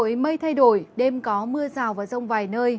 còn tại quần đảo trường sa có mưa rào dài rác và có nơi có rông vài nơi